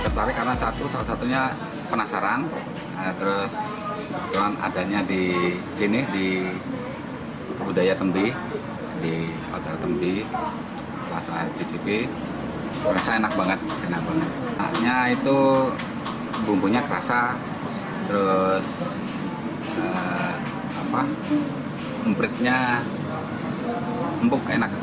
jelaskan bahwa beraneka ragam makanan pokok lauk payun sampai snek itu diungkapkan di serat centini itu